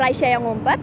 raisya yang umpet